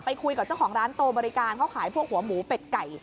คุยกับเจ้าของร้านโตบริการเขาขายพวกหัวหมูเป็ดไก่